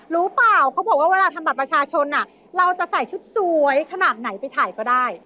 เปล่าเขาบอกว่าเวลาทำบัตรประชาชนเราจะใส่ชุดสวยขนาดไหนไปถ่ายก็ได้